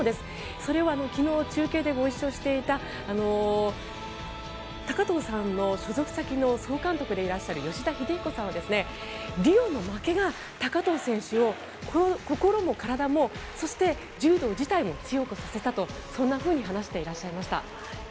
それは昨日、中継でご一緒していた高藤さんの所属先の総監督でいらっしゃる吉田秀彦さんはリオの負けが高藤選手を心も体もそして、柔道自体も強くさせたとそんなふうに話していらっしゃいました。